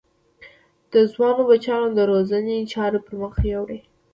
د ځوانو بچیانو د روزنې چارې پر مخ ویوړې.